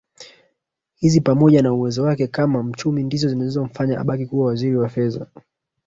hizo pamoja na uwezo wake kama mchumi ndizo zilizomfanya abaki kuwa Waziri wa Fedha